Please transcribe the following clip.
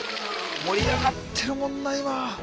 盛り上がってるもんな今。